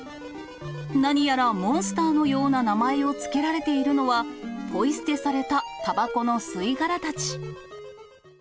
何やらモンスターのような名前を付けられているのは、ポイ捨てされたたばこの吸い殻たち。